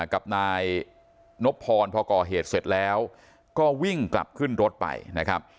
กับนายนบพรพอก่อเหตุเสร็จแล้วก็วิ่งกลับขึ้นรถไปนะครับ